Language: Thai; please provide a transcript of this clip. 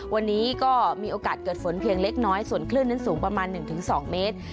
วันนี้ก็มีโอกาสเกิดฝนเพียงเล็กน้อยส่วนคลื่นนั้นสูงประมาณ๑๒เมตร